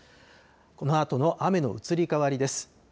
このあとの雨の移り変わりです。